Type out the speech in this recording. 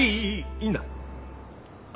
いいんだ。